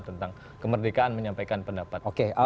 tentang kemerdekaan menyampaikan pendapat kaum kaum